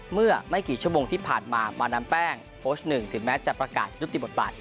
เมื่อไม่กี่ชั่วโมงที่ผ่านมามาดามแป้งโพสต์หนึ่งถึงแม้จะประกาศยุติบทบาท